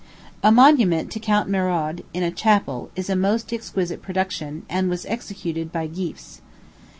A monument to Count Merode, in a chapel, is a most exquisite production, and was executed by Geefs.